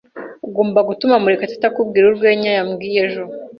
Ugomba gutuma Murekatete akubwira urwenya yambwiye ejo.